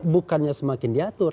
bukannya semakin diatur